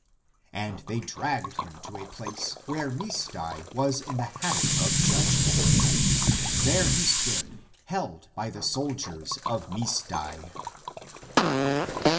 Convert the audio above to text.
And they dragged him to a place where Misdai was in the habit of judging. There he stood, held by the soldiers of Misdai.